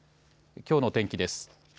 きょうの天気です。